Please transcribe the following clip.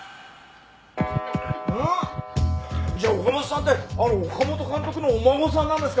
じゃあ岡本さんってあの岡本監督のお孫さんなんですか？